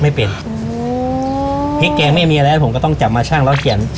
ไม่เป็นพริกแกงไม่มีอะไรให้ผมก็ต้องจับมาชั่งแล้วเขียน